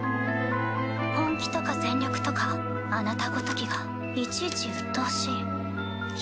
本気とか全力とかあなたごときがいちいちうっとうしい。